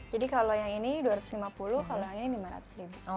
jadi kalau yang ini dua ratus lima puluh kalau yang ini lima ratus ribu